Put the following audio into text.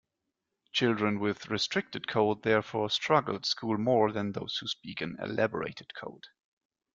Children with restricted-code, therefore, struggle at school more than those who speak an "elaborated-code".